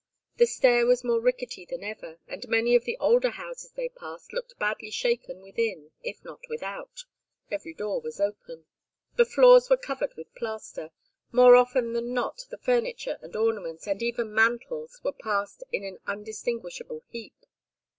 The stair was more rickety than ever, and many of the older houses they passed looked badly shaken within, if not without every door was open. The floors were covered with plaster; more often than not the furniture and ornaments, and even mantels, were massed in an indistinguishable heap.